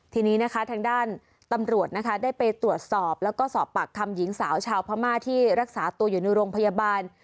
ทีนี้นะคะทางด้านตำรวจนะคะได้ไปตรวจสอบแล้วก็สอบปากคำหญิงสาวชาวพม่าที่รักษาตัวอยู่ในโรงพยาบาล